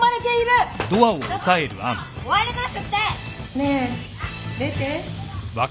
・ねえ出て。